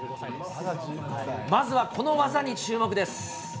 まずはこの技に注目です。